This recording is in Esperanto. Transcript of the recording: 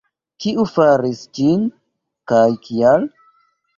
Kiu faris ĝin, kaj kial?